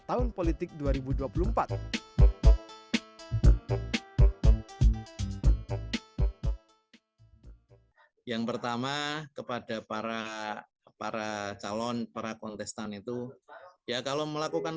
tahun politik dua ribu dua puluh empat yang pertama kepada para para calon para kontestan itu ya kalau melakukan